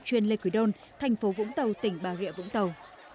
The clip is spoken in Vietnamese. chuyên lê quỳ đôn thành phố vũng tàu tỉnh bà rịa vũng tàu